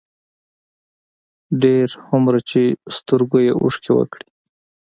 ډېر هومره چې سترګو يې اوښکې وکړې،